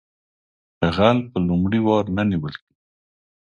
غل په لومړي وار نه نیول کیږي